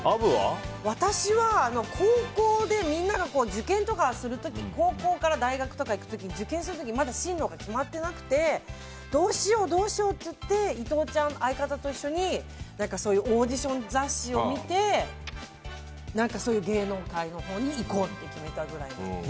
私は高校でみんなが受験とかする時高校から大学に行く時に受験する時まだ進路が決まっていなくてどうしよう、どうしようといって相方と一緒にオーディション雑誌を見てそういう芸能界のほうに行こうって決めたくらい。